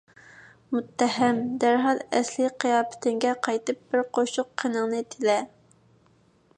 مۇتتەھەم! دەرھال ئەسلىي قىياپىتىڭگە قايتىپ بىر قوشۇق قېنىڭنى تىلە!